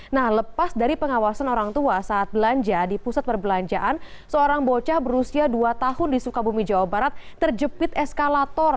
nah lepas dari pengawasan orang tua saat belanja di pusat perbelanjaan seorang bocah berusia dua tahun di sukabumi jawa barat terjepit eskalator